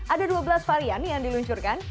ada dua belas varian yang diluncurkan